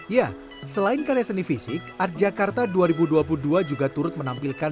ya selain karya seni fisik art jakarta dua ribu dua puluh dua juga turut menampilkan